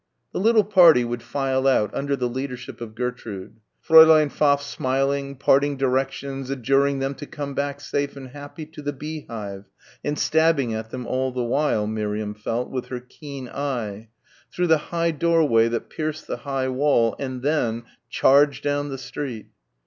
The little party would file out under the leadership of Gertrude Fräulein Pfaff smiling parting directions adjuring them to come back safe and happy to the beehive and stabbing at them all the while, Miriam felt, with her keen eye through the high doorway that pierced the high wall and then charge down the street.